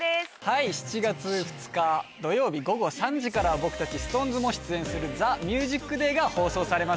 はい７月２日土曜日午後３時から僕たちＳｉｘＴＯＮＥＳも出演する『ＴＨＥＭＵＳＩＣＤＡＹ』が放送されます。